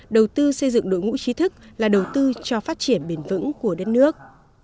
đầu tư xây dựng đội ngũ trí thức là đầu tư cho phát triển bền vững của đất nước